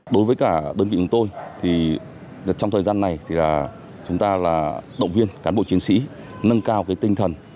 đối với cả đơn vị của tôi trong thời gian này chúng ta động viên cán bộ chiến sĩ nâng cao tinh thần